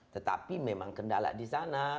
tetapi memang kendala di sana